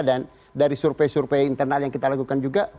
dan dari survei survei internal yang kita lakukan juga